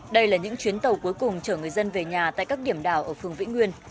đây là những chuyến tàu cuối cùng chở người dân về nhà tại các điểm đảo ở phường vĩnh nguyên